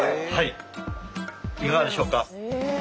いかがでしょうか？